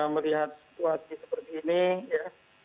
melihat situasi seperti ini ya